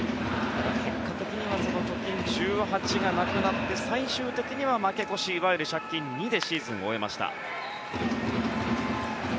結果的にはその貯金１８がなくなって最終的には負け越しいわゆる借金２でシーズンを終えました。